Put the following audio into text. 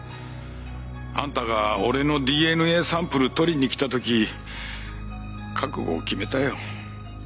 あんたが俺のＤＮＡサンプル採りに来た時覚悟を決めたよ。